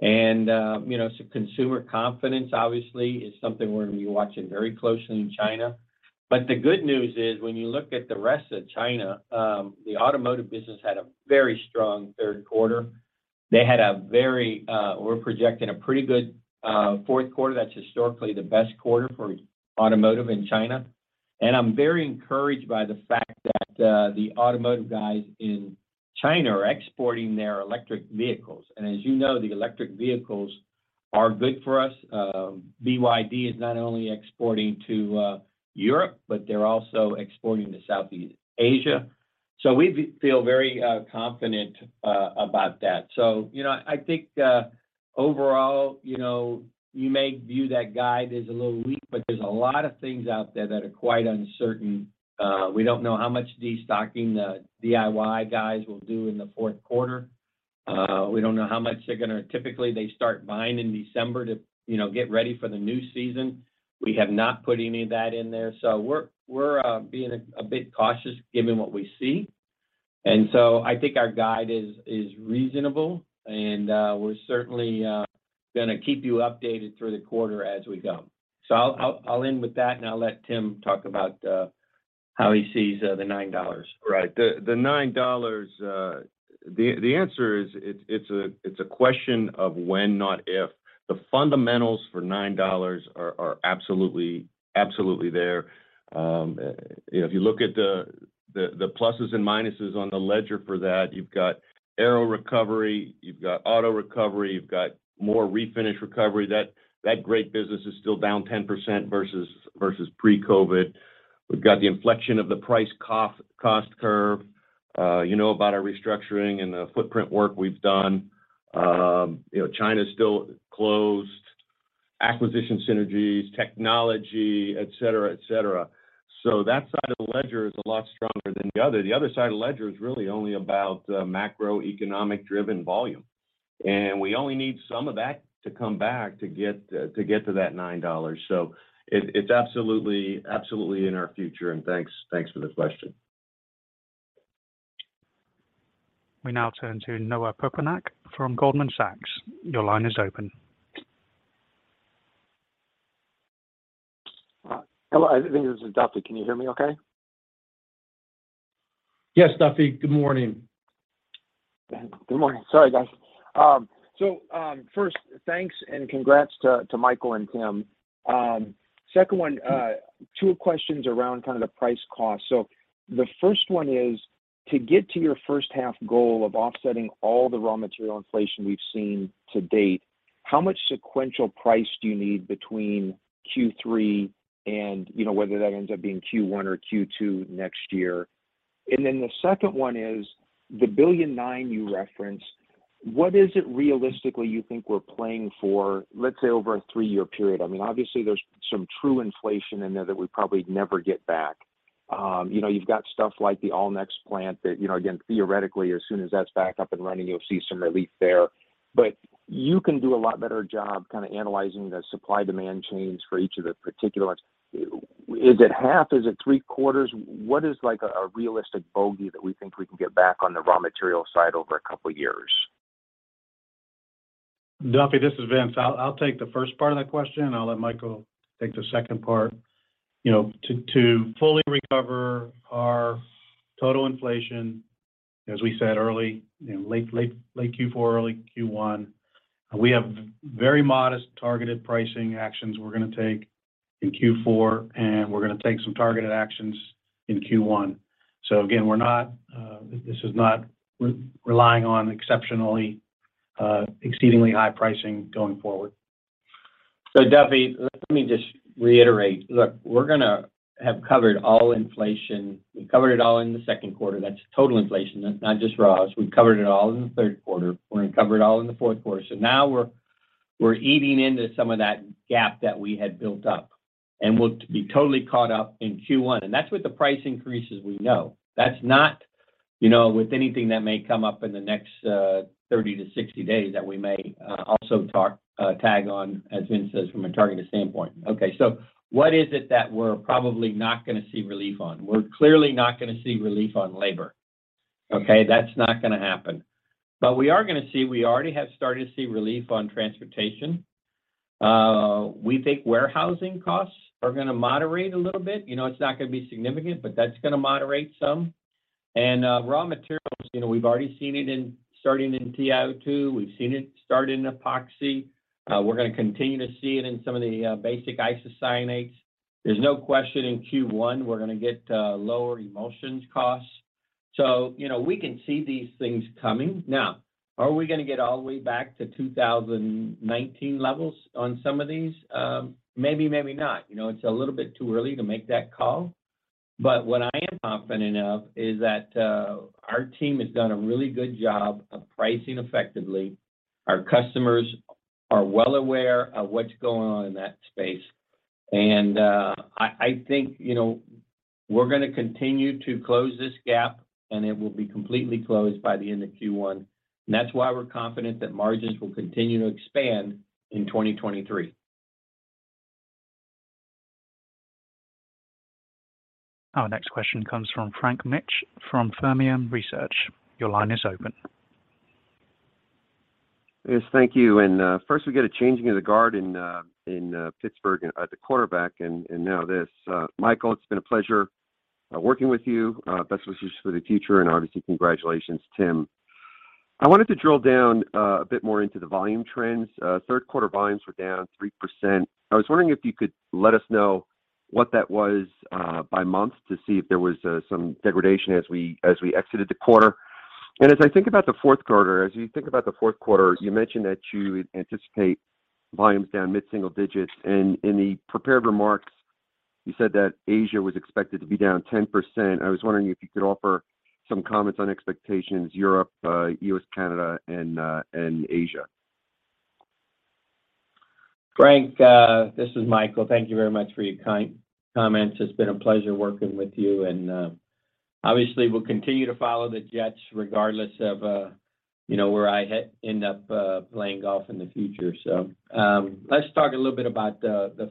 You know, consumer confidence, obviously, is something we're gonna be watching very closely in China. The good news is, when you look at the rest of China, the automotive business had a very strong third quarter. We're projecting a pretty good fourth quarter. That's historically the best quarter for automotive in China. I'm very encouraged by the fact that the automotive guys in China are exporting their electric vehicles. As you know, the electric vehicles are good for us. BYD is not only exporting to Europe, but they're also exporting to Southeast Asia. We feel very confident about that. You know, I think overall, you know, you may view that guide as a little weak, but there's a lot of things out there that are quite uncertain. We don't know how much destocking the DIY guys will do in the fourth quarter. Typically, they start buying in December to, you know, get ready for the new season. We have not put any of that in there. We're being a bit cautious given what we see. I think our guide is reasonable and we're certainly gonna keep you updated through the quarter as we go. I'll end with that, and I'll let Tim talk about how he sees the $9. Right. The $9, the answer is it's a question of when, not if. The fundamentals for $9 are absolutely there. If you look at the pluses and minuses on the ledger for that, you've got aero recovery, you've got auto recovery, you've got more refinish recovery. That great business is still down 10% versus pre-COVID. We've got the inflection of the price cost curve, you know about our restructuring and the footprint work we've done. You know, China's still closed. Acquisition synergies, technology, et cetera. That side of the ledger is a lot stronger than the other. The other side of the ledger is really only about macroeconomic-driven volume. We only need some of that to come back to get to that $9. It's absolutely in our future. Thanks for the question. We now turn to Noah Poponak from Goldman Sachs. Your line is open. Hello, this is Duffy. Can you hear me okay? Yes, Duffy, good morning. Good morning. Sorry, guys. First, thanks and congrats to Michael and Tim. Second one, two questions around kind of the price cost. The first one is, to get to your first half goal of offsetting all the raw material inflation we've seen to date, how much sequential price do you need between Q3 and, you know, whether that ends up being Q1 or Q2 next year? Then the second one is, the $1.9 billion you referenced, what is it realistically you think we're playing for, let's say, over a three-year period? I mean, obviously, there's some true inflation in there that we probably never get back. You know, you've got stuff like the Allnex plant that, you know, again, theoretically, as soon as that's back up and running, you'll see some relief there. You can do a lot better job kind of analyzing the supply-demand chains for each of the particular items. Is it half? Is it three-quarters? What is, like, a realistic bogey that we think we can get back on the raw material side over a couple of years? Duffy, this is Vince. I'll take the first part of that question, and I'll let Michael take the second part. You know, to fully recover our total inflation, as we said earlier, you know, late Q4, early Q1, we have very modest targeted pricing actions we're gonna take in Q4, and we're gonna take some targeted actions in Q1. Again, we're not, this is not relying on exceptionally, exceedingly high pricing going forward. Duffy, let me just reiterate. Look, we're gonna have covered all inflation. We covered it all in the second quarter. That's total inflation, not just raws. We've covered it all in the third quarter. We're gonna cover it all in the fourth quarter. Now we're eating into some of that gap that we had built up, and we'll be totally caught up in Q1. That's with the price increases we know. That's not, you know, with anything that may come up in the next thirty to sixty days that we may also tag on, as Vince says, from a targeted standpoint. Okay. What is it that we're probably not gonna see relief on? We're clearly not gonna see relief on labor. Okay. That's not gonna happen. We are gonna see, we already have started to see relief on transportation. We think warehousing costs are gonna moderate a little bit. You know, it's not gonna be significant, but that's gonna moderate some. Raw materials, you know, we've already seen it starting in TiO2. We've seen it start in Epoxy. We're gonna continue to see it in some of the basic isocyanates. There's no question in Q1, we're gonna get lower emulsions costs. You know, we can see these things coming. Now, are we gonna get all the way back to 2019 levels on some of these? Maybe, maybe not. You know, it's a little bit too early to make that call. What I am confident of is that our team has done a really good job of pricing effectively. Our customers are well aware of what's going on in that space. I think, you know, we're gonna continue to close this gap, and it will be completely closed by the end of Q1. That's why we're confident that margins will continue to expand in 2023. Our next question comes from Frank Mitsch from Fermium Research. Your line is open. Yes, thank you. First we get a changing of the guard in Pittsburgh at the quarterback and now this. Michael, it's been a pleasure working with you. Best wishes for the future, and obviously, congratulations, Tim. I wanted to drill down a bit more into the volume trends. Third quarter volumes were down 3%. I was wondering if you could let us know what that was by month to see if there was some degradation as we exited the quarter. As you think about the fourth quarter, you mentioned that you anticipate volumes down mid-single digits. In the prepared remarks, you said that Asia was expected to be down 10%. I was wondering if you could offer some comments on expectations, Europe, U.S., Canada, and Asia? Frank, this is Michael. Thank you very much for your kind comments. It's been a pleasure working with you, and obviously, we'll continue to follow the Jets regardless of, you know, where I end up playing golf in the future. Let's talk a little bit about the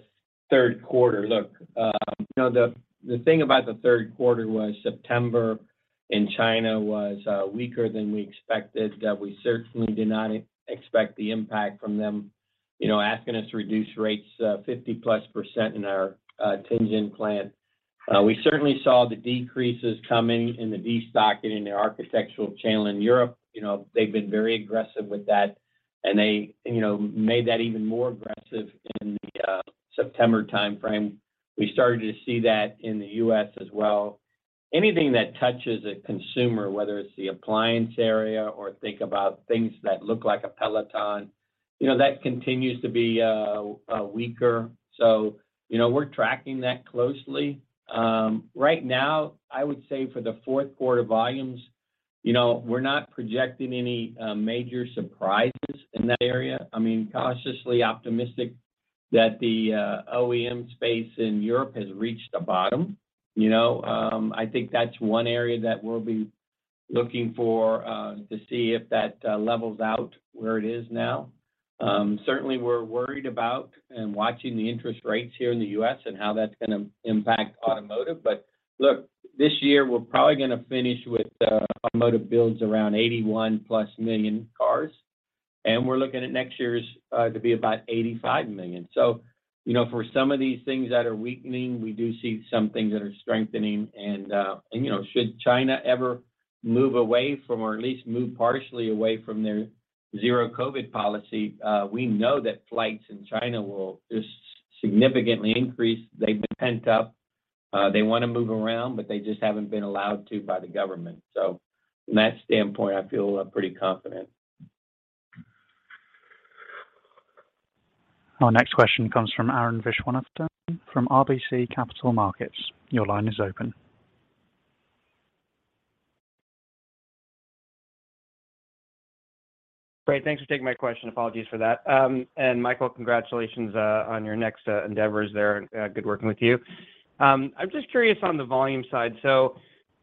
third quarter. Look, you know, the thing about the third quarter was September in China was weaker than we expected, that we certainly did not expect the impact from them, you know, asking us to reduce rates 50%+ in our Tianjin plant. We certainly saw the decreases coming in the destocking in the architectural channel in Europe. You know, they've been very aggressive with that, and they, you know, made that even more aggressive in the September timeframe. We started to see that in the U.S. as well. Anything that touches a consumer, whether it's the appliance area or think about things that look like a Peloton, you know, that continues to be weaker. You know, we're tracking that closely. Right now, I would say for the fourth quarter volumes, you know, we're not projecting any major surprises in that area. I mean, cautiously optimistic that the OEM space in Europe has reached a bottom. You know, I think that's one area that we'll be looking for to see if that levels out where it is now. Certainly, we're worried about and watching the interest rates here in the U.S. and how that's gonna impact automotive. Look, this year, we're probably gonna finish with automotive builds around 81+ million cars, and we're looking at next year's to be about 85 million. You know, for some of these things that are weakening, we do see some things that are strengthening. You know, should China ever move away from or at least move partially away from their zero COVID policy, we know that flights in China will just significantly increase. They've been pent up. They wanna move around, but they just haven't been allowed to by the government. From that standpoint, I feel pretty confident. Our next question comes from Arun Viswanathan from RBC Capital Markets. Your line is open. Great. Thanks for taking my question. Apologies for that. Michael, congratulations on your next endeavors there. Good working with you. I'm just curious on the volume side.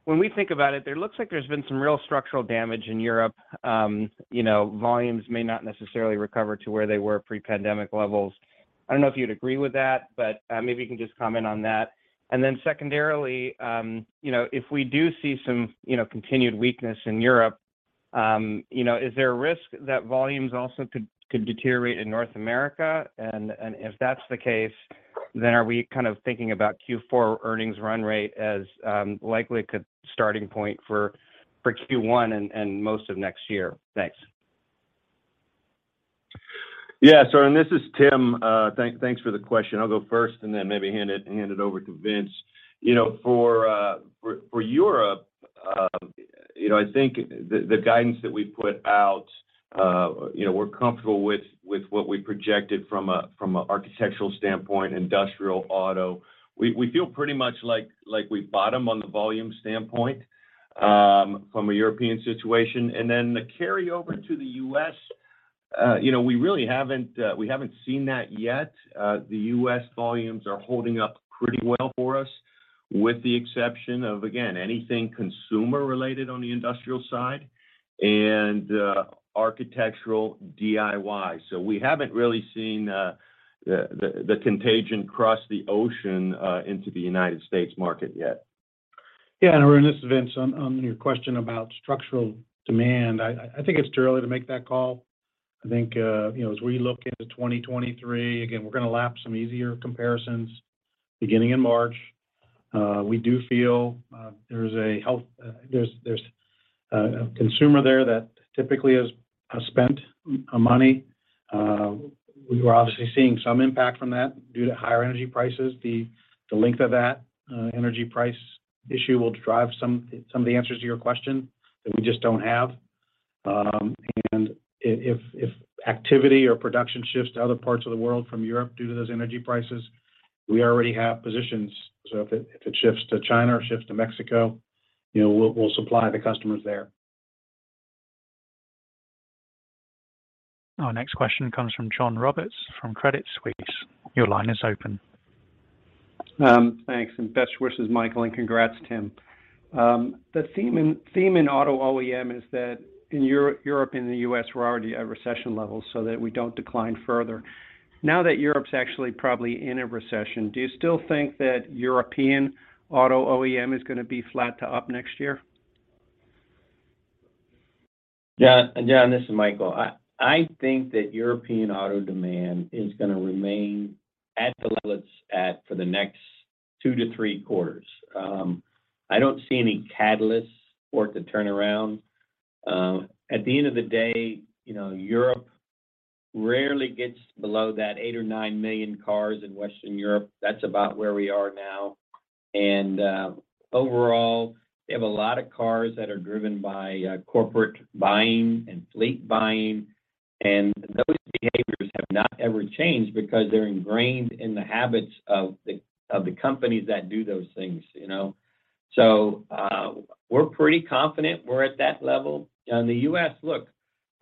When we think about it, there looks like there's been some real structural damage in Europe. You know, volumes may not necessarily recover to where they were pre-pandemic levels. I don't know if you'd agree with that, but maybe you can just comment on that. Then secondarily, you know, if we do see some, you know, continued weakness in Europe, you know, is there a risk that volumes also could deteriorate in North America? If that's the case, then are we kind of thinking about Q4 earnings run rate as likely a starting point for Q1 and most of next year? Thanks. This is Tim. Thanks for the question. I'll go first and then maybe hand it over to Vince. You know, for Europe, you know, I think the guidance that we put out, you know, we're comfortable with what we projected from an architectural standpoint, industrial, auto. We feel pretty much like we've bottomed on the volume standpoint from a European situation. The carryover to the U.S., you know, we really haven't seen that yet. The US volumes are holding up pretty well for us, with the exception of, again, anything consumer related on the industrial side and architectural DIY. We haven't really seen the contagion cross the ocean into the United States market yet. Yeah. Arun, this is Vince. On your question about structural demand, I think it's too early to make that call. I think, you know, as we look into 2023, again, we're gonna lap some easier comparisons beginning in March. We do feel there's a consumer there that typically has spent money. We are obviously seeing some impact from that due to higher energy prices. The length of that energy price issue will drive some of the answers to your question that we just don't have. If activity or production shifts to other parts of the world from Europe due to those energy prices, we already have positions. If it shifts to China or shifts to Mexico, you know, we'll supply the customers there. Our next question comes from John Roberts from Credit Suisse. Your line is open. Thanks, and best wishes, Michael, and congrats, Tim. The theme in auto OEM is that in Europe and the U.S., we're already at recession levels, so that we don't decline further. Now that Europe's actually probably in a recession, do you still think that European auto OEM is gonna be flat to up next year? John, this is Michael. I think that European auto demand is gonna remain at the levels for the next two to three quarters. I don't see any catalyst for it to turn around. At the end of the day, you know, Europe rarely gets below that 8 or 9 million cars in Western Europe. That's about where we are now. Overall, they have a lot of cars that are driven by corporate buying and fleet buying, and those behaviors have not ever changed because they're ingrained in the habits of the companies that do those things, you know? We're pretty confident we're at that level. In the U.S., look,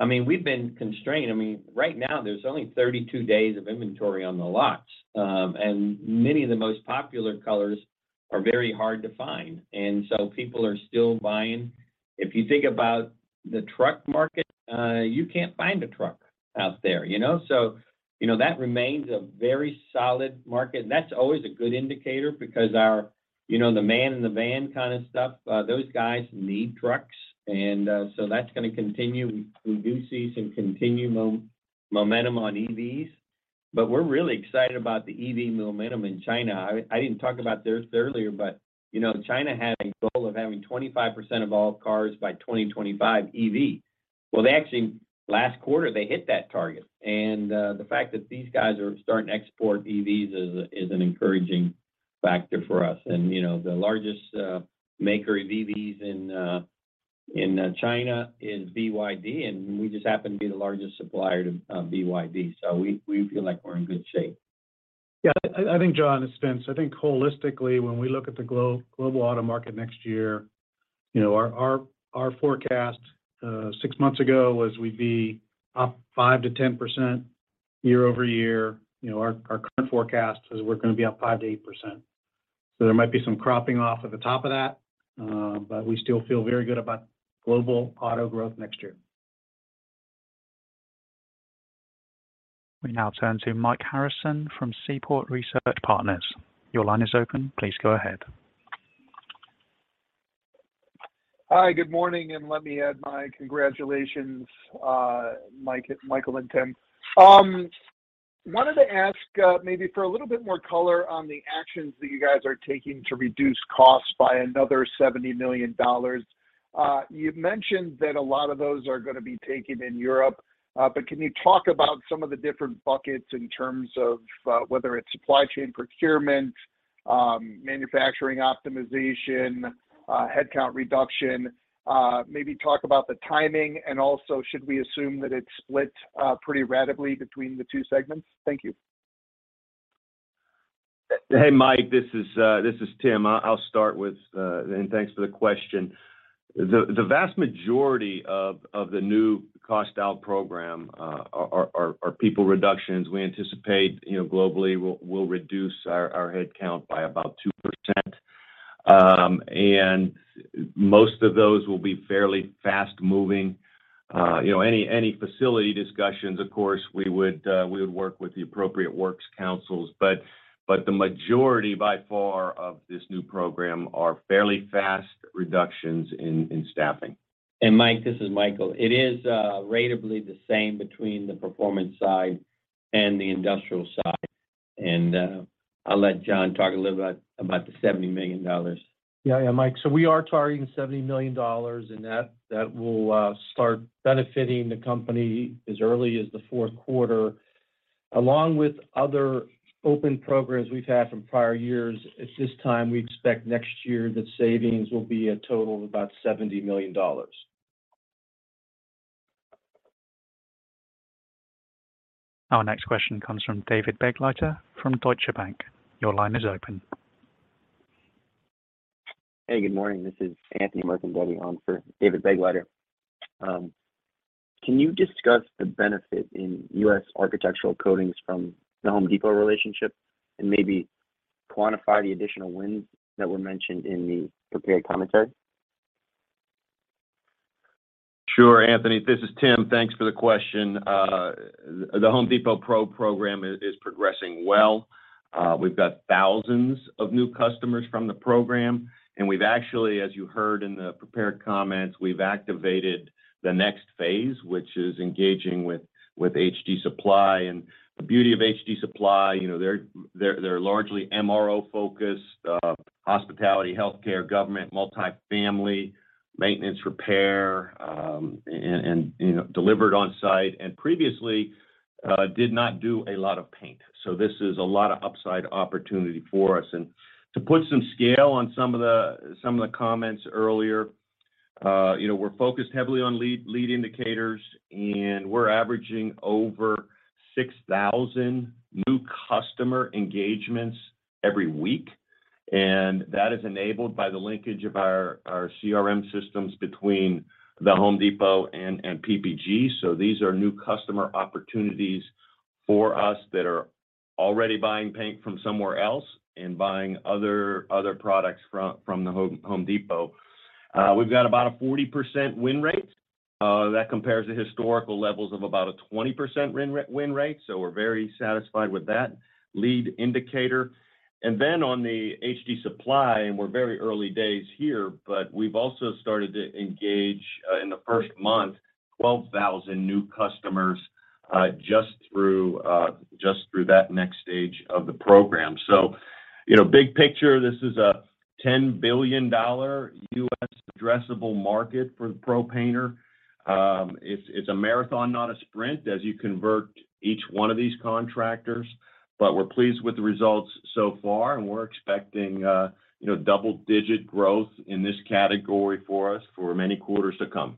I mean, we've been constrained. I mean, right now there's only 32 days of inventory on the lots. Many of the most popular colors are very hard to find. People are still buying. If you think about the truck market, you can't find a truck out there, you know? You know, that remains a very solid market. That's always a good indicator because our, you know, the man in the van kind of stuff, those guys need trucks. That's gonna continue. We do see some continued momentum on EVs, but we're really excited about the EV momentum in China. I didn't talk about this earlier, but you know, China had a goal of having 25% of all cars by 2025 EV. Well, they actually last quarter, they hit that target. The fact that these guys are starting to export EVs is an encouraging factor for us. You know, the largest maker of EVs in China is BYD, and we just happen to be the largest supplier to BYD. We feel like we're in good shape. Yeah. I think John, it's Vince. I think holistically, when we look at the global auto market next year, you know, our forecast six months ago was we'd be up 5%-10% year-over-year. You know, our current forecast is we're gonna be up 5%-8%. There might be some cropping off at the top of that, but we still feel very good about global auto growth next year. We now turn to Mike Harrison from Seaport Research Partners. Your line is open. Please go ahead. Hi, good morning, and let me add my congratulations, Mike, Michael and Tim. Wanted to ask, maybe for a little bit more color on the actions that you guys are taking to reduce costs by another $70 million. You've mentioned that a lot of those are gonna be taken in Europe, but can you talk about some of the different buckets in terms of, whether it's supply chain procurement, manufacturing optimization, headcount reduction? Maybe talk about the timing and also should we assume that it's split, pretty radically between the two segments? Thank you. Hey, Mike, this is Tim. I'll start with thanks for the question. The vast majority of the new cost out program are people reductions. We anticipate, you know, globally we'll reduce our headcount by about 2%. Most of those will be fairly fast-moving. You know, any facility discussions, of course, we would work with the appropriate works councils. The majority, by far, of this new program are fairly fast reductions in staffing. Mike, this is Michael. It is ratably the same between the performance side and the industrial side. I'll let John talk a little about the $70 million. Yeah, yeah, Mike. We are targeting $70 million, and that will start benefiting the company as early as the fourth quarter. Along with other open programs we've had from prior years, at this time, we expect next year that savings will be a total of about $70 million. Our next question comes from David Begleiter from Deutsche Bank. Your line is open. Hey, good morning. This is Anthony Mercandetti on for David Begleiter. Can you discuss the benefit in U.S. architectural coatings from the Home Depot relationship and maybe quantify the additional wins that were mentioned in the prepared commentary? Sure, Anthony. This is Tim. Thanks for the question. The Home Depot Pro program is progressing well. We've got thousands of new customers from the program, and we've actually, as you heard in the prepared comments, we've activated the next phase, which is engaging with HD Supply. The beauty of HD Supply, you know, they're largely MRO-focused, hospitality, healthcare, government, multifamily, maintenance, repair, and you know, delivered on-site, and previously did not do a lot of paint. So this is a lot of upside opportunity for us. To put some scale on some of the comments earlier, you know, we're focused heavily on leading indicators, and we're averaging over 6,000 new customer engagements every week. That is enabled by the linkage of our CRM systems between the Home Depot and PPG. These are new customer opportunities for us that are already buying paint from somewhere else and buying other products from the Home Depot. We've got about a 40% win rate that compares to historical levels of about a 20% win rate, so we're very satisfied with that lead indicator. On the HD Supply, we're very early days here, but we've also started to engage in the first month, 12,000 new customers just through that next stage of the program. You know, big picture, this is a $10 billion US addressable market for Pro Painter. It's a marathon, not a sprint, as you convert each one of these contractors. We're pleased with the results so far, and we're expecting, you know, double-digit growth in this category for us for many quarters to come.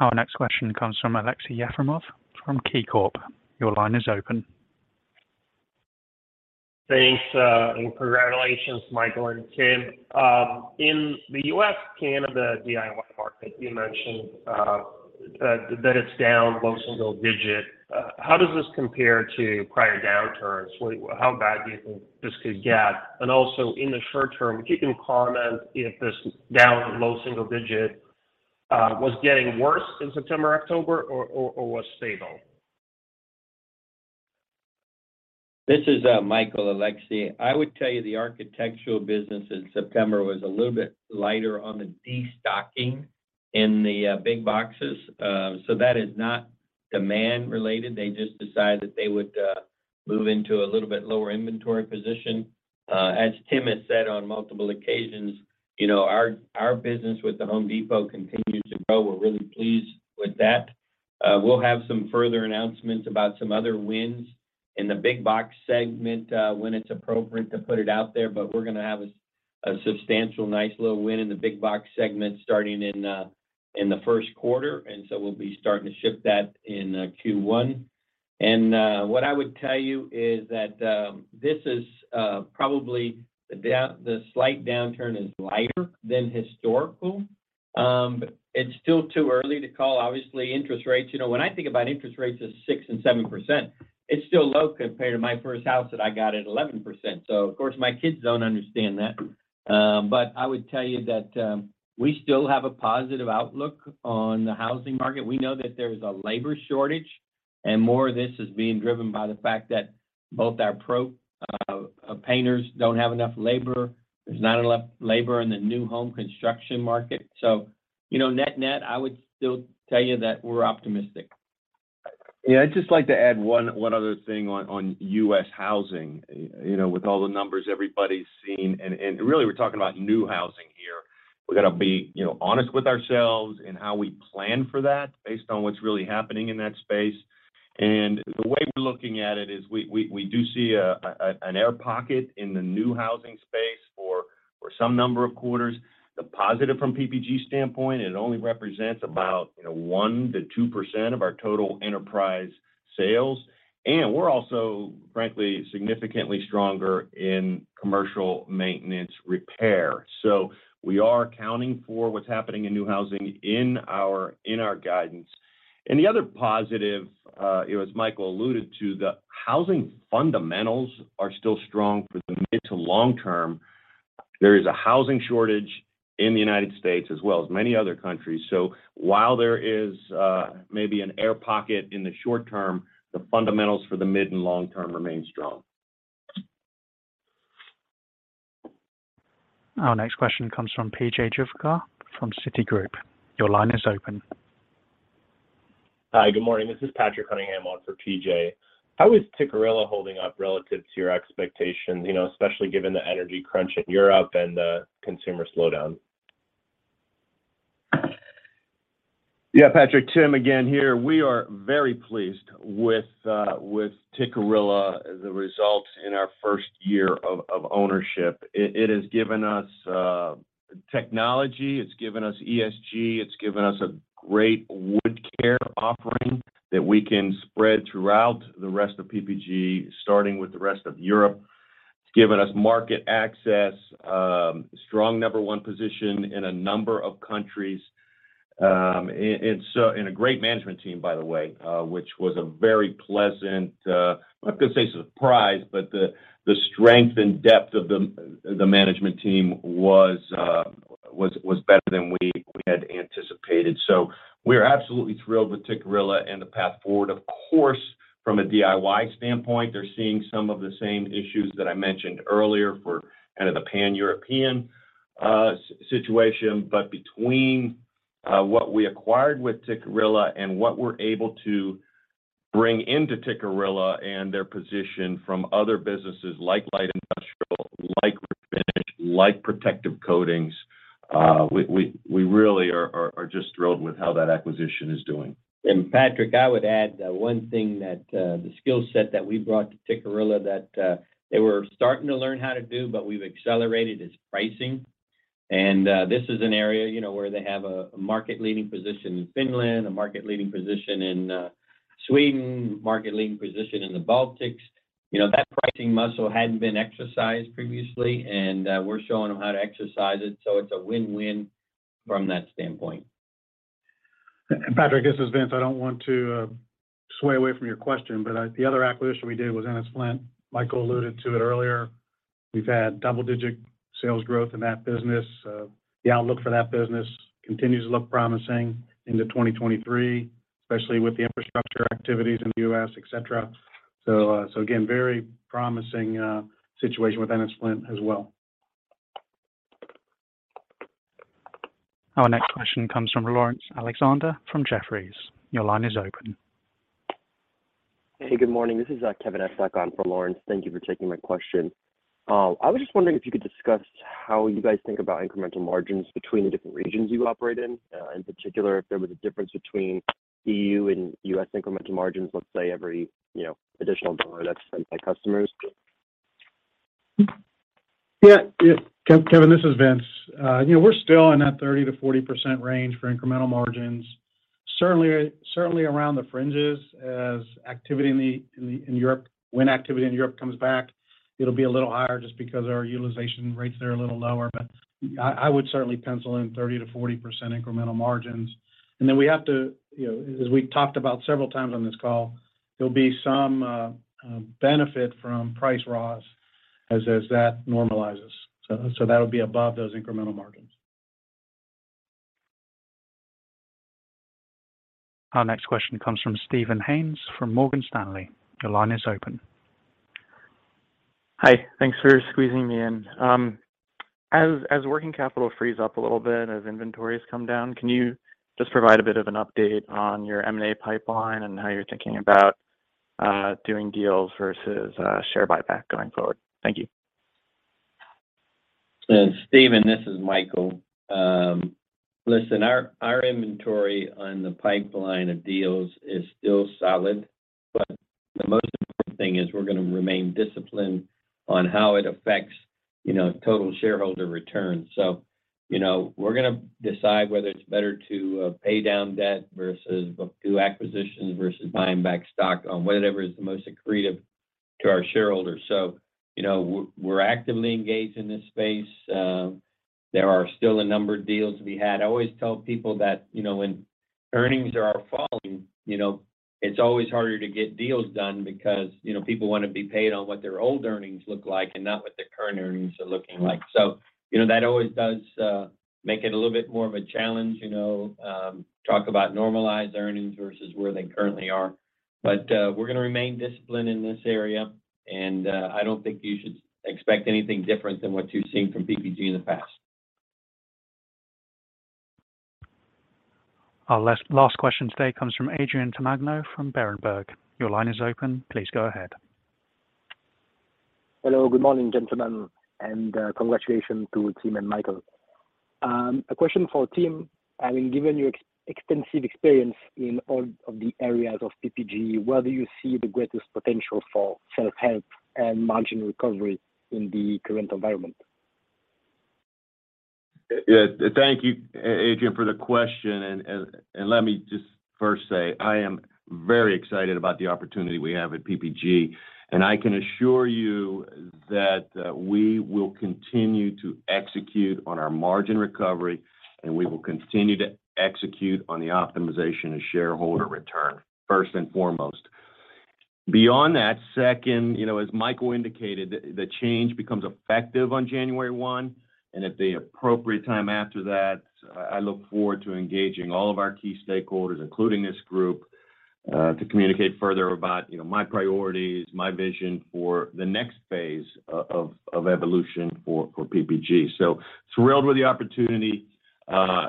Our next question comes from Aleksey Yefremov from KeyCorp. Your line is open. Thanks and congratulations, Michael and Tim. In the U.S., Canada DIY market, you mentioned that it's down low single digit. How does this compare to prior downturns? How bad do you think this could get? Also, in the short term, can you comment if this down low single digit was getting worse in September, October or was stable? This is Michael, Aleksey. I would tell you the architectural business in September was a little bit lighter on the destocking in the big boxes. So that is not demand related. They just decided that they would move into a little bit lower inventory position. As Tim has said on multiple occasions, you know, our business with the Home Depot continues to grow. We're really pleased with that. We'll have some further announcements about some other wins in the big box segment when it's appropriate to put it out there, but we're gonna have a substantial nice little win in the big box segment starting in the first quarter. We'll be starting to ship that in Q1. What I would tell you is that this is probably the slight downturn is lighter than historical. It's still too early to call. Obviously, interest rates. You know, when I think about interest rates as 6% and 7%, it's still low compared to my first house that I got at 11%. Of course, my kids don't understand that. I would tell you that we still have a positive outlook on the housing market. We know that there's a labor shortage, and more of this is being driven by the fact that both our pro painters don't have enough labor. There's not enough labor in the new home construction market. You know, net-net, I would still tell you that we're optimistic. Yeah. I'd just like to add one other thing on US housing. You know, with all the numbers everybody's seeing, and really we're talking about new housing here. We've got to be, you know, honest with ourselves in how we plan for that based on what's really happening in that space. The way we're looking at it is we do see an air pocket in the new housing space for some number of quarters. The positive from PPG standpoint, it only represents about, you know, 1%-2% of our total enterprise sales. We're also, frankly, significantly stronger in commercial maintenance repair. We are accounting for what's happening in new housing in our guidance. The other positive, you know, as Michael alluded to, the housing fundamentals are still strong for the mid to long term. There is a housing shortage in the United States as well as many other countries. While there is, maybe an air pocket in the short term, the fundamentals for the mid and long term remain strong. Our next question comes from P.J. Juvekar from Citigroup. Your line is open. Hi, good morning. This is Patrick Cunningham on for P.J. How is Tikkurila holding up relative to your expectations? You know, especially given the energy crunch in Europe and the consumer slowdown. Yeah. Patrick, Tim again here. We are very pleased with Tikkurila, the results in our first year of ownership. It has given us technology, it's given us ESG, it's given us a great wood care offering that we can spread throughout the rest of PPG, starting with the rest of Europe. It's given us market access, strong number one position in a number of countries. And a great management team, by the way, which was a very pleasant, I'm not gonna say surprise, but the strength and depth of the management team was better than we had anticipated. We are absolutely thrilled with Tikkurila and the path forward. Of course, from a DIY standpoint, they're seeing some of the same issues that I mentioned earlier for kind of the pan-European situation. Between what we acquired with Tikkurila and what we're able to bring into Tikkurila and their position from other businesses like Light Industrial, like Refinish, like Protective Coatings, we really are just thrilled with how that acquisition is doing. Patrick, I would add the one thing that the skill set that we brought to Tikkurila that they were starting to learn how to do, but we've accelerated, is pricing. This is an area, you know, where they have a market-leading position in Finland, a market-leading position in Sweden, market-leading position in the Baltics. You know, that pricing muscle hadn't been exercised previously, and we're showing them how to exercise it, so it's a win-win from that standpoint. Patrick, this is Vince. I don't want to sway away from your question, but the other acquisition we did was Ennis-Flint. Michael alluded to it earlier. We've had double-digit sales growth in that business. The outlook for that business continues to look promising into 2023, especially with the infrastructure activities in the U.S., et cetera. Again, very promising situation with Ennis-Flint as well. Our next question comes from Laurence Alexander from Jefferies. Your line is open. Hey, good morning. This is Kevin Estok on for Laurence. Thank you for taking my question. I was just wondering if you could discuss how you guys think about incremental margins between the different regions you operate in. In particular, if there was a difference between EU and US incremental margins, let's say, every, you know, additional dollar that's spent by customers. Yeah. Kevin, this is Vince. You know, we're still in that 30%-40% range for incremental margins. Certainly around the fringes as activity in Europe comes back, it'll be a little higher just because our utilization rates there are a little lower. I would certainly pencil in 30%-40% incremental margins. Then we have to, you know, as we've talked about several times on this call, there'll be some benefit from price raws as that normalizes. So that'll be above those incremental margins. Our next question comes from Steven Byrne from Morgan Stanley. Your line is open. Hi. Thanks for squeezing me in. As working capital frees up a little bit, as inventories come down, can you just provide a bit of an update on your M&A pipeline and how you're thinking about doing deals versus share buyback going forward? Thank you. Steven, this is Michael. Listen, our inventory on the pipeline of deals is still solid, but the most important thing is we're gonna remain disciplined on how it affects, you know, total shareholder returns. You know, we're gonna decide whether it's better to pay down debt versus do acquisitions versus buying back stock on whatever is the most accretive to our shareholders. You know, we're actively engaged in this space. There are still a number of deals to be had. I always tell people that, you know, when earnings are falling, you know, it's always harder to get deals done because, you know, people wanna be paid on what their old earnings look like and not what their current earnings are looking like. You know, that always does make it a little bit more of a challenge, you know, talk about normalized earnings versus where they currently are. We're gonna remain disciplined in this area, and I don't think you should expect anything different than what you've seen from PPG in the past. Our last question today comes from Adrien Tamagno from Berenberg. Your line is open. Please go ahead. Hello, good morning, gentlemen, and congratulations to Tim and Michael. A question for Tim. I mean, given your extensive experience in all of the areas of PPG, where do you see the greatest potential for self-help and margin recovery in the current environment? Thank you, Adrien, for the question. Let me just first say, I am very excited about the opportunity we have at PPG, and I can assure you that we will continue to execute on our margin recovery, and we will continue to execute on the optimization of shareholder return, first and foremost. Beyond that, second, you know, as Michael indicated, the change becomes effective on January one, and at the appropriate time after that, I look forward to engaging all of our key stakeholders, including this group, to communicate further about, you know, my priorities, my vision for the next phase of evolution for PPG. Thrilled with the opportunity,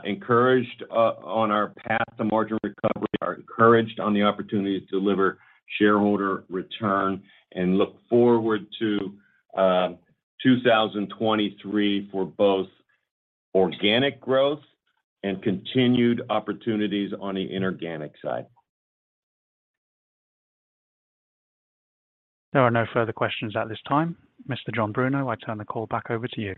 encouraged on our path to margin recovery, are encouraged on the opportunity to deliver shareholder return, and look forward to 2023 for both organic growth and continued opportunities on the inorganic side. There are no further questions at this time. Mr. John Bruno, I turn the call back over to you.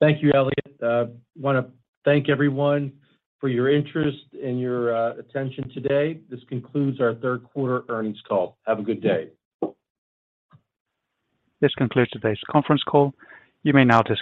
Thank you, Elliot. Wanna thank everyone for your interest and your attention today. This concludes our third quarter earnings call. Have a good day. This concludes today's conference call. You may now disconnect.